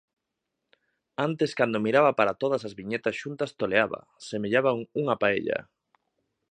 Antes cando miraba para todas as viñetas xuntas toleaba, semellaban unha paella.